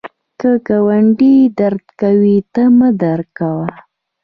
که ګاونډی درد کوي، تا مه درد کړه